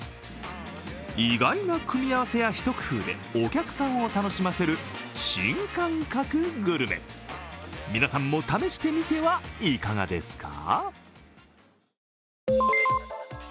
意外な組み合わせや、ひと工夫でお客さんを楽しませる新感覚グルメ、皆さんも試してみてはいかがですか？